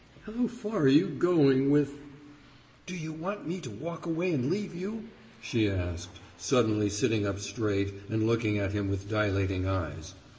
How far are you going with " "Do you want me to walk away and leave you?" she asked, suddenly sitting up straight and looking at him with dilating eyes.